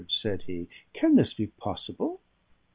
said he. "Can this be possible?